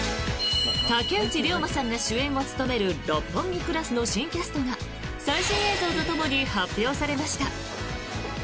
竹内涼真さんが主演を務める「六本木クラス」の新キャストが最新映像とともに発表されました。